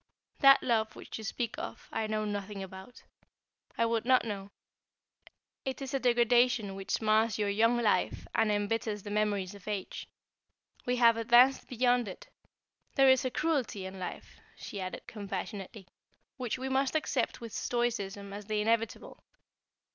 That love which you speak of, I know nothing about. I would not know. It is a degradation which mars your young life and embitters the memories of age. We have advanced beyond it. There is a cruelty in life," she added, compassionately, "which we must accept with stoicism as the inevitable.